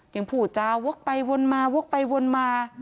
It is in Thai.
ยังผู้จารย์ววกไปวนมาววกไปวนมา